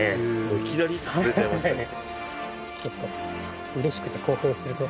いきなり出ちゃいましたね